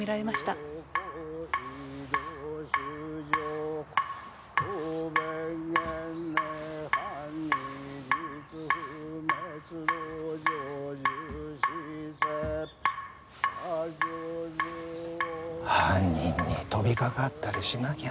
犯人に飛びかかったりしなきゃな。